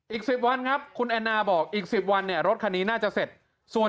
อีก๑๐วันครับคุณแอนนาบอกอีก๑๐วันเนี่ยรถคันนี้น่าจะเสร็จส่วน